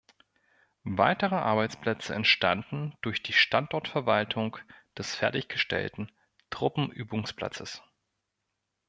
Weitere Arbeitsplätze entstanden durch die Standortverwaltung des fertiggestellten Truppenübungsplatzes.